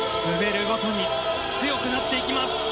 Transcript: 滑るごとに強くなっていきます。